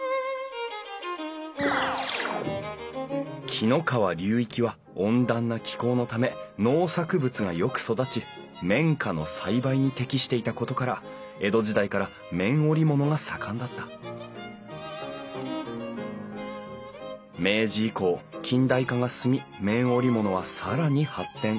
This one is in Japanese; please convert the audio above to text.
紀の川流域は温暖な気候のため農作物がよく育ち綿花の栽培に適していたことから江戸時代から綿織物が盛んだった明治以降近代化が進み綿織物は更に発展。